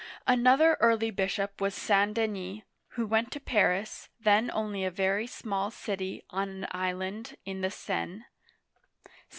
Another early bishop was St. Denis (sant dSn'Is, or, sSn de nee') who went to Paris, then only a very small city on an island in the Seine (sdn).